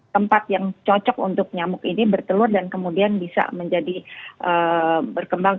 tempat yang cocok untuk nyamuk ini bertelur dan kemudian bisa menjadi berkembang